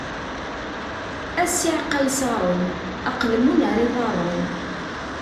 A ssiεqa ay iṣaṛen: aqelmun ar iḍaṛṛen!